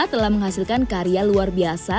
telah menghasilkan karya luar biasa